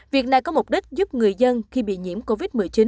việc này có mục đích giúp người dân khi bị nhiễm covid một mươi chín